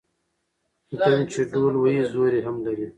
ـ ډم چې ډول وهي زور يې هم لري.